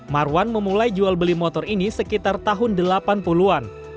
marwan memulai jual beli motor ini sekitar tahun delapan puluh an